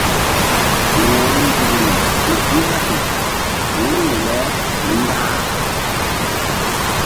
Wo̧ronzukri ƴo i laɓi wu̧yri le ndah.